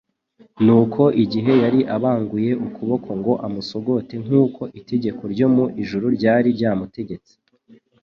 Nuko igihe yari abanguye ukuboko ngo amusogote nk'uko itegeko ryo mu ijuru ryari ryamutegetse,